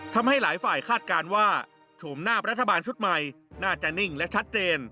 ทำให้หลายฝ่ายคาดการณ์ว่าโฉมหน้ารัฐบาลชุดใหม่น่าจะนิ่งและชัดเจน